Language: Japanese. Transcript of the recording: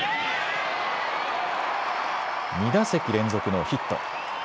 ２打席連続のヒット。